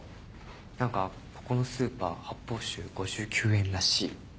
何かここのスーパー発泡酒５９円らしいよ。